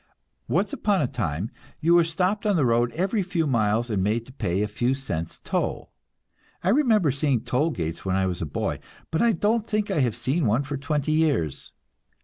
Once upon a time you were stopped on the road every few miles and made to pay a few cents toll. I remember seeing toll gates when I was a boy, but I don't think I have seen one for twenty years.